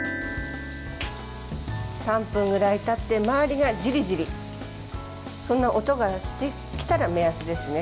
３分ぐらいたって周りが、ジリジリそんな音がしてきたら目安ですね。